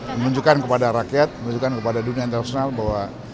menunjukkan kepada rakyat menunjukkan kepada dunia internasional bahwa